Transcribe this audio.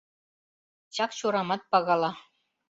Чакчорамат пагала.